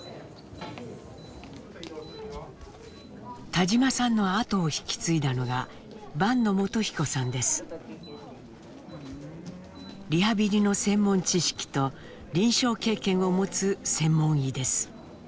田島さんの後を引き継いだのがリハビリの専門知識と臨床経験を持つ専門医です。